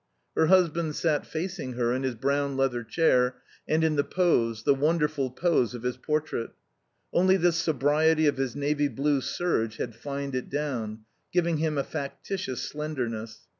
Her husband sat facing her in his brown leather chair and in the pose, the wonderful pose of his portrait; only the sobriety of his navy blue serge had fined it down, giving him a factitious slenderness.